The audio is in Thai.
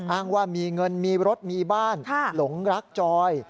อ้างว่ามีเงินมีรถมีบ้านหลงรักจอย